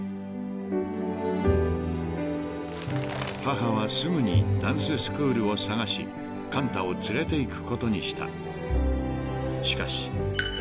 ［母はすぐにダンススクールを探し寛太を連れていくことにした］